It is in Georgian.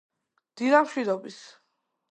დილამშვიდობის.